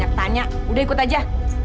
ma jangan dulu ya ma